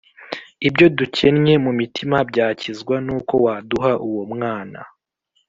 Ibyo dukennye mu mitima, Byakizwa n’ uko waduha uwo mwana